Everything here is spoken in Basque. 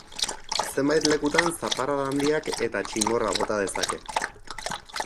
Zenbait lekutan zaparrada handiak eta txingorra bota dezake.